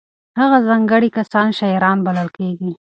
هغه ځانګړي کسان شاعران بلل کېږي.